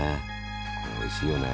これおいしいよね。